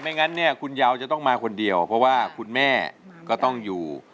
งั้นเนี่ยคุณยาวจะต้องมาคนเดียวเพราะว่าคุณแม่ก็ต้องอยู่